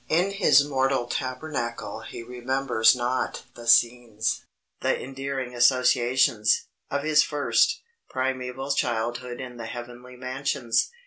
In his mortal tabernacle he remembers not the scenes, the endearing associations, of his first, primeval childhood in the heavenly mansions.